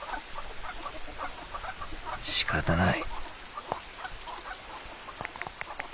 しかたない。